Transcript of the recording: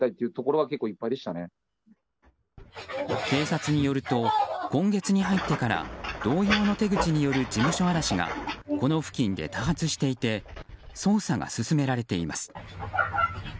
警察によると今月に入ってから同様の手口による事務所荒らしがこの付近で多発していて捜査が進められています。